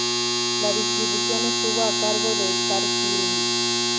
La distribución estuvo a cargo de Star Film.